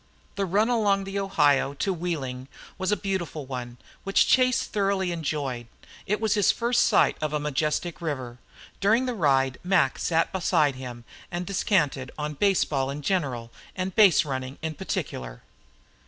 The run along the Ohio to Wheeling was a beautiful one, which Chase thoroughly enjoyed. It was his first sight of a majestic river. During the ride Mac sat beside him and descanted on baseball in general and base running in particular.